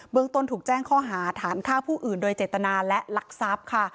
เมืองต้นถูกแจ้งข้อหาฐานฆ่าผู้อื่นโดยเจตนาและลักทรัพย์ค่ะ